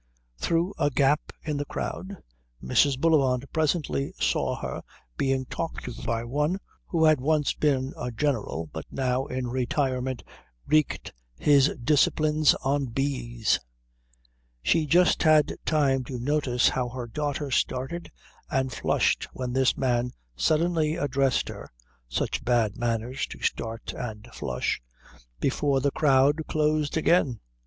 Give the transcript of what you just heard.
Through a gap in the crowd Mrs. Bullivant presently saw her being talked to by one who had once been a general but now in retirement wreaked his disciplines on bees. She just had time to notice how her daughter started and flushed when this man suddenly addressed her such bad manners to start and flush before the crowd closed again.